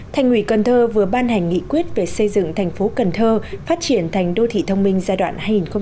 thành ủy cần thơ vừa ban hành nghị quyết về xây dựng thành phố cần thơ phát triển thành đô thị thông minh giai đoạn hai nghìn hai mươi một hai nghìn hai mươi năm